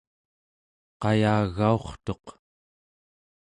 qayagaurtuq